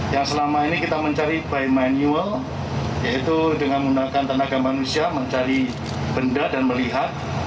yang selama ini kita mencari by manual yaitu dengan menggunakan tenaga manusia mencari benda dan melihat